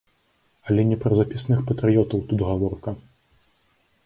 Але не пра запісных патрыётаў тут гаворка.